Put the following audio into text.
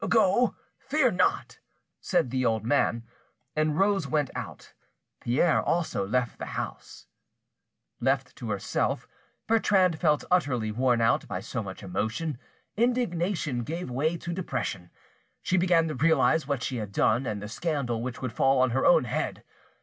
"Go, fear not," said the old man, and Rose went out. Pierre also left the house. Left to herself, Bertrande felt utterly worn out by so much emotion; indignation gave way to depression. She began to realise what she had done, and the scandal which would fall on her own head.